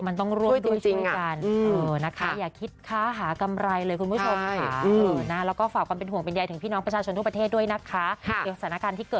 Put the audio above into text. มันต้องร่วมทั้งกัน